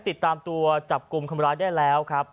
ติดตามตัวจับกลุ่มคนร้ายได้แล้วครับ